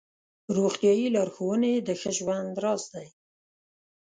روغتیایي لارښوونې د ښه ژوند راز دی.